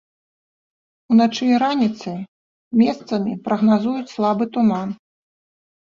Уначы і раніцай месцамі прагназуюць слабы туман.